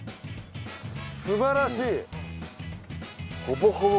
すばらしい！